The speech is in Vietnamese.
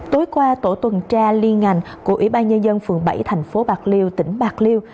tối qua tổ tuần tra liên ngành của ủy ban nhân dân phường bảy thành phố bạc liêu tỉnh bạc liêu